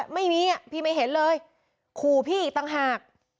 ไม่มีอ่ะพี่ไม่เห็นเลยขู่พี่อีกต่างหาก